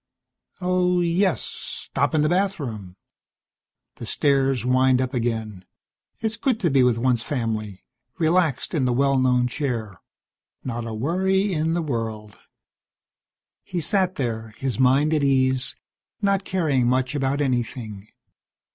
Oh, yes, stop in the bathroom. The stairs wind up again. It is good to be with one's family, relaxed in the well known chair. Not a worry in the world. He sat there, his mind at ease, not caring much about anything.